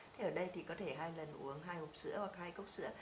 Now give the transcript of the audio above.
thì ở đây thì có thể hai lần uống hai hộp sữa hoặc hai cốc sữa